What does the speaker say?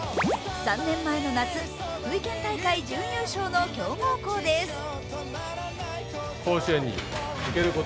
３年前の夏、福井県大会準優勝の強豪校です。